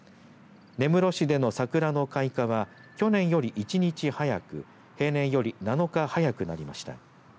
根室市でのサクラの開花は去年より１日早く平年より７日早くなりました。